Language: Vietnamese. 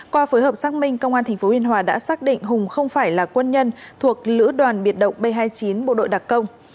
qua phối hợp xác minh công an tp biên hòa đã xác định hùng không phải là quân nhân thuộc lữ đoàn biệt động b hai mươi chín bộ đội đặc công